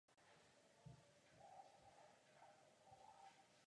Komisař Verheugen slíbil, že tyto prostředky budou řádně použity.